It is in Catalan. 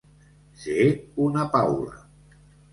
Ser una paula.